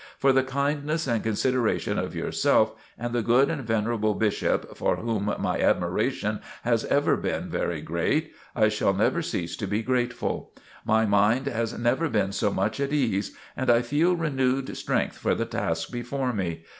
For the kindness and consideration of yourself and the good and venerable Bishop, for whom my admiration has ever been very great, I shall never cease to be grateful. My mind has never been so much at ease, and I feel renewed strength for the task before me.